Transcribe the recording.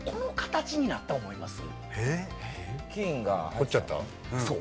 掘っちゃった？